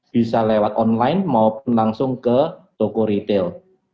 bisa lewat online maupun langsung ke toko retail